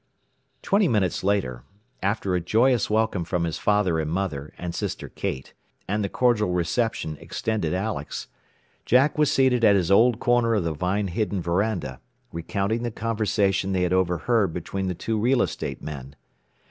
Twenty minutes later, after a joyous welcome from his father and mother, and sister Kate, and the cordial reception extended Alex, Jack was seated at his "old corner" of the vine hidden veranda, recounting the conversation they had overheard between the two real estate men.